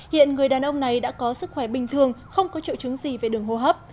hiện người đàn ông này đã có sức khỏe bình thường không có triệu chứng gì về đường hô hấp